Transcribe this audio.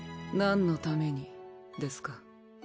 何のためにですか？